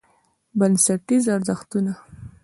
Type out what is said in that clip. بنسټیز ارزښتونه: